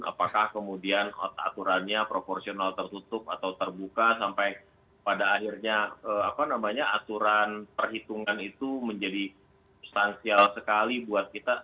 apakah kemudian aturannya proporsional tertutup atau terbuka sampai pada akhirnya aturan perhitungan itu menjadi substansial sekali buat kita